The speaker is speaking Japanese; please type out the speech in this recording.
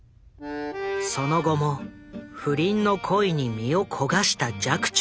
その後も不倫の恋に身を焦がした寂聴。